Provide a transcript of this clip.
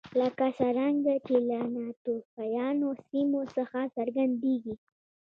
لکه څرنګه چې له ناتوفیانو سیمو څخه څرګندېږي